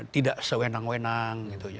tidak sewenang wenang gitu